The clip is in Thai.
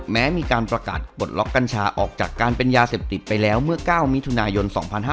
แม้มีการประกาศปลดล็อกกัญชาออกจากการเป็นยาเสพติดไปแล้วเมื่อ๙มิถุนายน๒๕๕๙